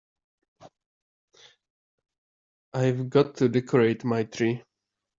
I've got to decorate my tree.